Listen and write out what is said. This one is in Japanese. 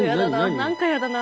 何かやだな。